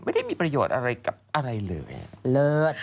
ไม่ได้มีประโยชน์อะไรกับอะไรเลยเลิศ